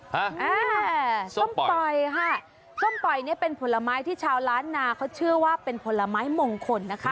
อ่าส้มปล่อยค่ะส้มปล่อยเนี้ยเป็นผลไม้ที่ชาวล้านนาเขาเชื่อว่าเป็นผลไม้มงคลนะคะ